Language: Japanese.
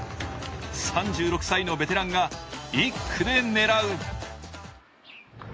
３６歳のベテランが今年は１区で狙う。